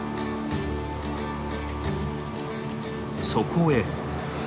そこへ。